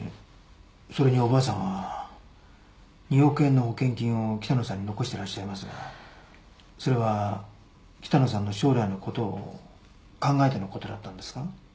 それにおばあさんは２億円の保険金を北野さんに残していらっしゃいますがそれは北野さんの将来の事を考えての事だったんですか？